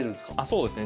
そうですね。